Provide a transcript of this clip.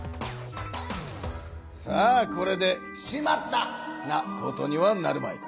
さあこれで「しまった！」なことにはなるまい。